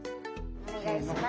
お願いします。